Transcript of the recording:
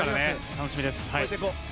楽しみです。